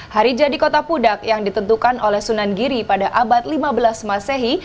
hari jadi kota pudak yang ditentukan oleh sunan giri pada abad lima belas masehi